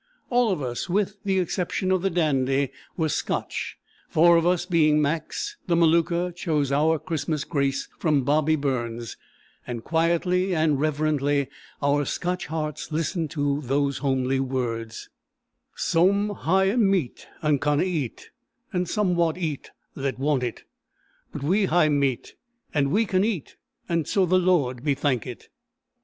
As all of us, with the exception of the Dandy, were Scotch, four of us being Macs, the Maluka chose our Christmas grace from Bobby Burns; and quietly and reverently our Scotch hearts listened to those homely words: "Some ha'e meat, and canna eat, And some wad eat that want it; But we ha'e meat, and we can eat, And so the Lord be thankit."